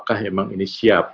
memang ini siap